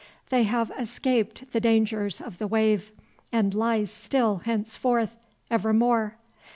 They have escaped the dangers of the wave, and lie still henceforth, evermore.